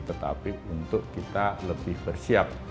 tetapi untuk kita lebih bersiap